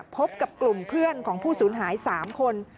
พบกับกลุ่มเพื่อนของผู้สูญหาย๓คน